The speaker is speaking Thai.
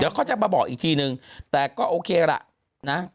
เขาจะมาบอกอีกทีนึงแต่ก็โอเคล่ะนะ